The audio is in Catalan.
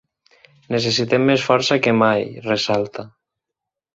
Necessitem més força que mai, ressalta.